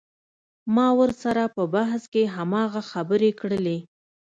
ما ورسره په بحث کښې هماغه خبرې کړلې.